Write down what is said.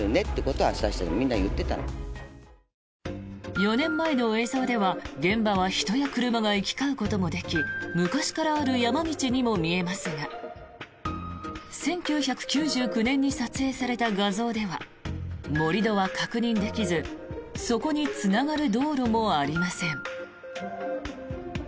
４年前の映像では、現場は人や車が行き交うこともでき昔からある山道にも見えますが１９９９年に撮影された画像では盛り土は確認できずそこにつながる道路もありません。